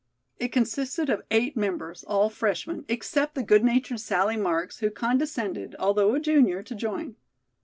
It consisted of eight members, all freshmen, except the good natured Sallie Marks, who condescended, although a junior, to join.